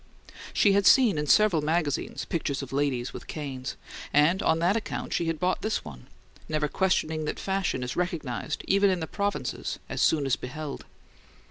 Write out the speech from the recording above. She had seen in several magazines pictures of ladies with canes, and on that account she had bought this one, never questioning that fashion is recognized, even in the provinces, as soon as beheld.